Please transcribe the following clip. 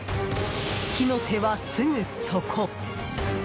火の手はすぐそこ。